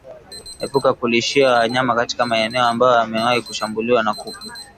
Epuka kulishia wanyama katika maeneo ambayo yamewahi kushambuliwa na kupe